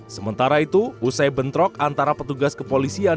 sementara itu usai bentrok antara petugas kepolisian